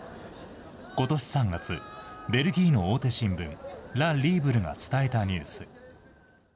ことし３月、ベルギーの大手新聞、ラ・リーブルが伝えたニュース。